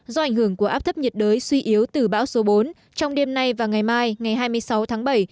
do ảnh hưởng của áp thấp nhiệt đới suy yếu từ bão số bốn trong đêm nay và ngày mai ngày hai mươi sáu tháng bảy